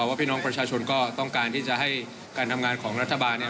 ว่าพี่น้องประชาชนก็ต้องการที่จะให้การทำงานของรัฐบาลเนี่ย